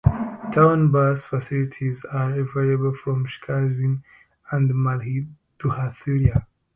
Town bus facilities are available from Sirkazhi and Mayiladuthurai.